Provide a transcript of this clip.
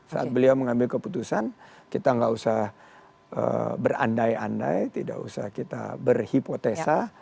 saat beliau mengambil keputusan kita nggak usah berandai andai tidak usah kita berhipotesa